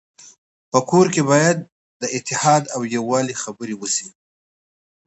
په کور کي باید د اتحاد او يووالي خبري وسي.